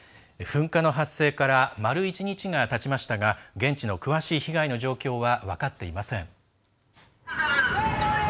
噴火の発生から丸１日がたちましたが現地の詳しい被害の状況は分かっていません。